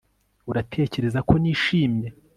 Uratekereza ko nishimye